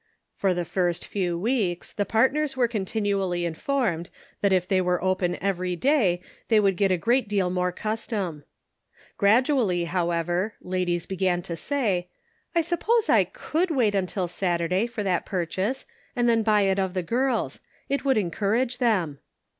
For the first few weeks the partners were contin ually informed that if they were open every, day they would get a great deal more custom. Gradually, however, ladies began to say, " I suppose / could wait until Saturday for that purchase, and then buy it of the girls ; it would encourage them."